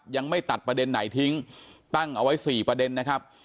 ยังไม่ตัดประเด็นไหนทิ้งตั้งเอาไว้๔ประเด็นนะครับ